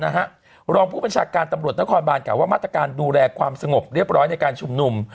รองผู้บัญชาการตำรวจนครบานกล่าว่ามาตรการดูแลความสงบเรียบร้อยในการชุมนุม